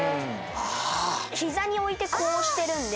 膝に置いてこうしてるんで。